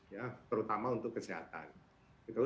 ya terutama untuk kesehatan gitu